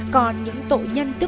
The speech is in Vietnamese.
còn những tội nhân tự nhiên